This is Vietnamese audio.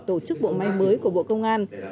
tổ chức bộ máy mới của bộ công an